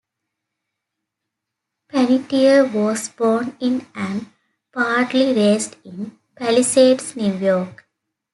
Panettiere was born in and partly raised in Palisades, New York.